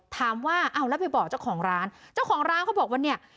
ถามว่าเอาแล้วไปบอกเจ้าของร้านเจ้าของร้านเขาบอกว่าเนี่ย